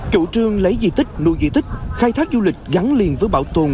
chủ trương lấy di tích nuôi di tích khai thác du lịch gắn liền với bảo tồn